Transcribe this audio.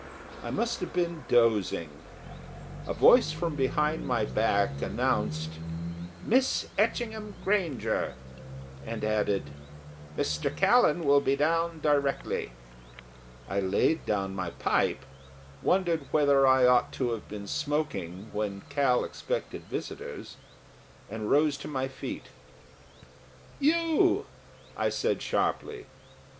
I must have been dozing. A voice from behind my back announced: "Miss Etchingham Granger!" and added "Mr. Callan will be down directly." I laid down my pipe, wondered whether I ought to have been smoking when Cal expected visitors, and rose to my feet. "You!" I said, sharply.